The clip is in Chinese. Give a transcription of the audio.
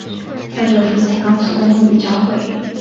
在这附近高速公路与交汇。